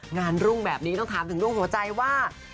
รุ่งแบบนี้ต้องถามถึงเรื่องหัวใจว่า